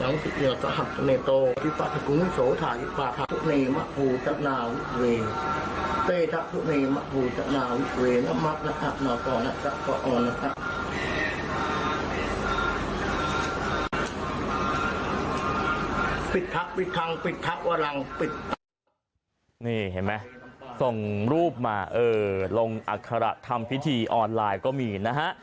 นี่เห็นไหมส่งรูปมาลงอัคระทำพิธีออนไลน์ก็มีนะฮะ